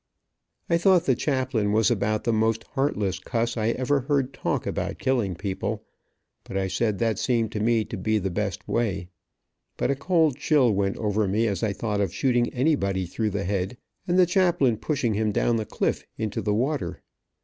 I thought the chaplain was about the most heartless cuss I ever heard talk about killing people, but I said that seemed to me to be the best way, but a cold chill went over me as I thought of shooting anybody through the head and the chaplain pushing him down the cliff into the water.